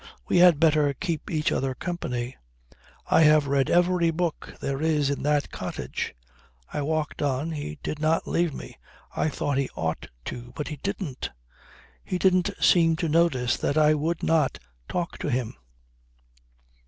We had better keep each other company. I have read every book there is in that cottage.' I walked on. He did not leave me. I thought he ought to. But he didn't. He didn't seem to notice that I would not talk to him."